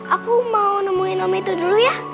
aku mau nemuin om itu dulu ya